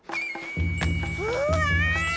うわ！